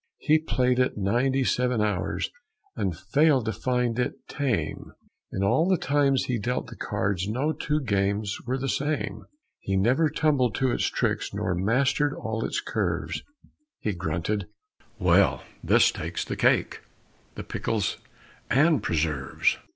He played it ninety seven hours and failed to find it tame. In all the times he dealt the cards no two games were the same. He never tumbled to its tricks nor mastered all its curves. He grunted, "Well, this takes the cake, the pickles and preserves!